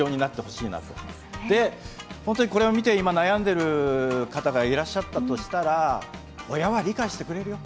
で本当にこれを見て今悩んでる方がいらっしゃったとしたら親は理解してくれるよ。